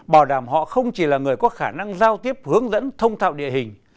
bảo đảm họ không chỉ là người có khả năng giao tiếp hướng dẫn thông thạo địa hình